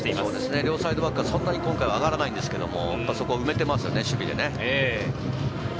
両サイドバックがそんなに今回は上がらないんですけど、そこを埋めていますね、守備で。